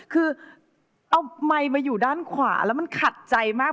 คือเอาไมค์มาอยู่ด้านขวาแล้วมันขัดใจมาก